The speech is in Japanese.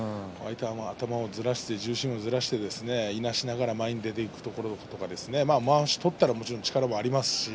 頭をずらして重心をずらしていなしながら前に出ていくまわしを取ったらもちろん力があります。